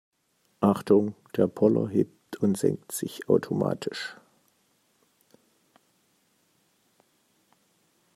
Achtung, der Poller hebt und senkt sich automatisch.